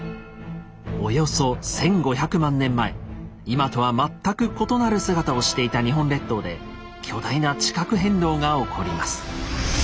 今とは全く異なる姿をしていた日本列島で巨大な地殻変動が起こります。